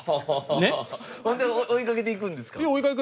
ほんで追い掛けていくんですか？